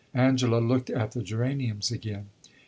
Angela looked at the geraniums again.